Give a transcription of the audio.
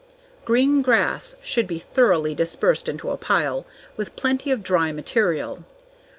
Green grass should be thoroughly dispersed into a pile, with plenty of dry material.